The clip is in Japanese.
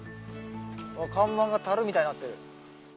看板が樽みたいになってる。